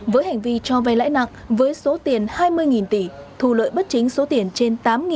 với hành vi cho vay lãi nặng với số tiền hai mươi tỷ thu lợi bất chính số tiền trên